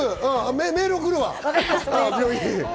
メール、送るわ。